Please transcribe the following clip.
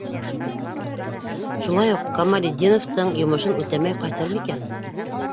Шулай уҡ Камалетдиновтың йомошон үтәмәй ҡайтыр микән?